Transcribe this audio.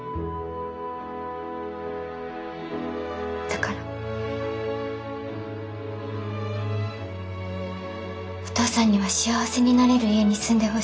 だからお父さんには幸せになれる家に住んでほしい。